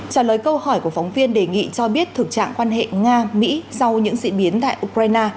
trả lời câu hỏi của phóng viên đề nghị cho biết thực trạng quan hệ nga mỹ sau những diễn biến tại ukraine